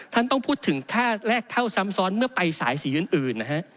ท่านต้องพูดถึงค่าแรกเท่าซ้ำซ้อนเมื่อไปสายสีอื่นนะฮะ